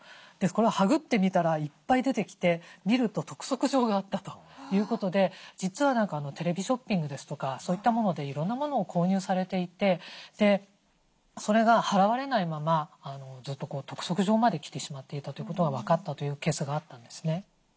これをはぐってみたらいっぱい出てきて見ると督促状があったということで実はテレビショッピングですとかそういったものでいろんなものを購入されていてでそれが払われないままずっと督促状まで来てしまっていたということが分かったというケースがあったんですね。